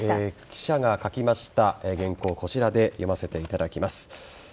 記者が書きました原稿をこちらで読ませていただきます。